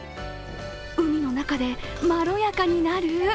海の中で、まろやかになる？